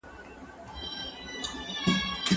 هغه څوک چي فکر کوي، سمه لاره مومي.